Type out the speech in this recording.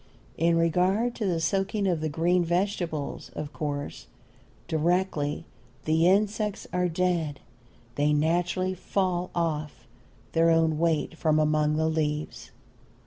In regard to the soaking of the green vegetables, of course, directly the insects are dead they naturally fall of their own weight from among the leaves.